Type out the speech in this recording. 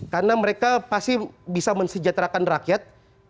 karena mereka pasti bisa mensejahterakan rakyat